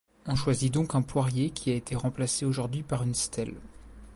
On choisit donc un poirier qui a été remplacé aujourd'hui par une stèle.